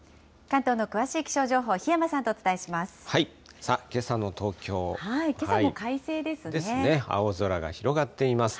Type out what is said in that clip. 関東の詳しい気象情報、檜山さんとお伝えします。